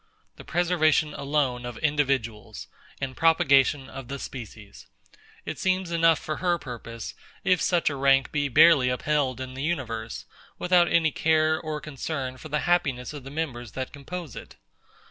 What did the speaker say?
The preservation alone of individuals, and propagation of the species. It seems enough for her purpose, if such a rank be barely upheld in the universe, without any care or concern for the happiness of the members that compose it.